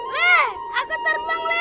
le aku terbang le